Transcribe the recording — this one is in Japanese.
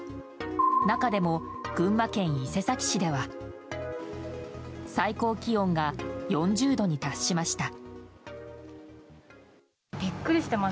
中でも、群馬県伊勢崎市では最高気温が４０度に達しました。